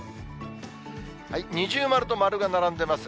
二重丸と丸が並んでます。